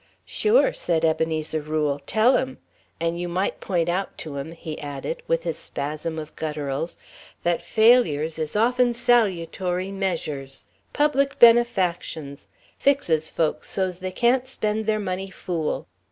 "Sure," said Ebenezer Rule, "tell 'em. And you might point out to 'em," he added, with his spasm of gutturals, "that failures is often salutary measures. Public benefactions. Fixes folks so's they can't spend their money fool."